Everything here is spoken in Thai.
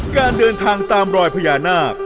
การเดินทางตามรอยพญานาค